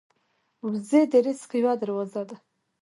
وزې د رزق یوه دروازه ده